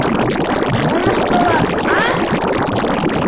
Мом ыштылат, а?